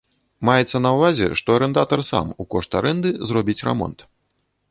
Маецца на ўвазе, што арандатар сам у кошт арэнды зробіць рамонт.